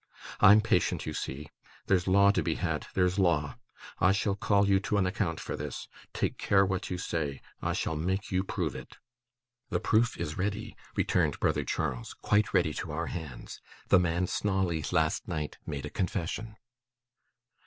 I'm patient, you see. There's law to be had, there's law. I shall call you to an account for this. Take care what you say; I shall make you prove it.' 'The proof is ready,' returned brother Charles, 'quite ready to our hands. The man Snawley, last night, made a confession.